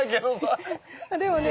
でもね